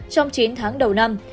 trong chín tháng đầu năm